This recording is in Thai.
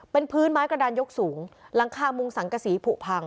เป็นพื้นไม้กระดานยกสูงหลังคามุงสังกษีผูกพัง